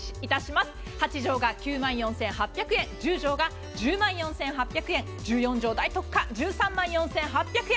８畳が９万４８００円１０畳が１０万４８００円１４畳大特価１３万４８００円。